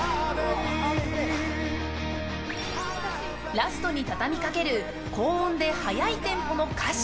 ラストに畳みかける高音で速いテンポの歌詞。